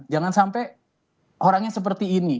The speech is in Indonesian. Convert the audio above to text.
jangan sampai orangnya seperti ini